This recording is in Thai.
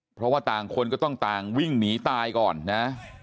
เพราะว่าต่างคนก็ต้องต่างวิ่งหนีตายก่อนนะ